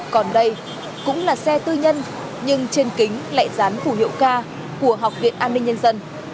còn đây cũng là xe tư nhân nhưng trên kính lại dán phủ hiệu ca của học viện an ninh nhân dân